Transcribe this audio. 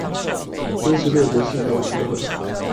三十六則世道智慧